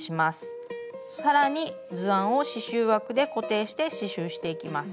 更に図案を刺しゅう枠で固定して刺しゅうしていきます。